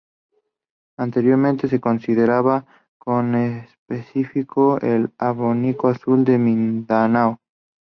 Anteriormente se consideraba conespecífico el abanico azul de Mindanao.